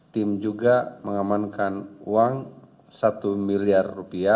tim juga mengamankan uang rp satu miliar